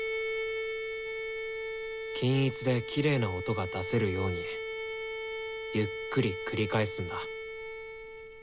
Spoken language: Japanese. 均一できれいな音が出せるようにゆっくり繰り返すんだ。